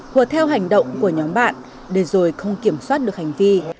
hua theo hành động của nhóm bạn để rồi không kiểm soát được hành vi